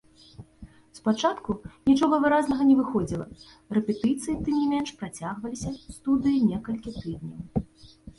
Спачатку нічога выразнага не выходзіла, рэпетыцыі тым не менш працягваліся ў студыі некалькі тыдняў.